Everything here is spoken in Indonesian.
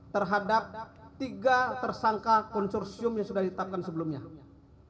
terhadap tiga tersangka konsorsium yang sudah ditetapkan sebelumnya